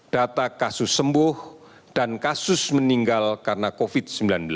data kasus sembuh dan kasus meninggal karena covid sembilan belas